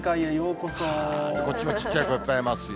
こっちもちっちゃい子、いっぱいいますよ。